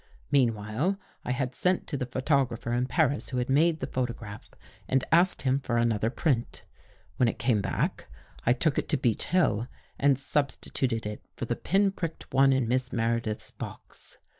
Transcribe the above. Meanwhile I had sent to the photographer in Paris who had made the photograph and asked him for another print. When It came back, I took it to Beech Hill and sub stituted it for the pin pricked one in Miss Mere dith's box.